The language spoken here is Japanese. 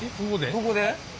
どこで？